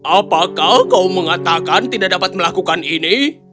apakah kau mengatakan tidak dapat melakukan ini